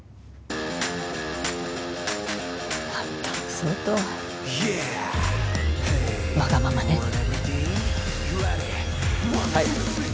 あんたも相当ワガママねはい！